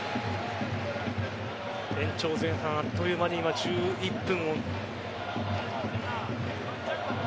延長前半あっという間に今１１分。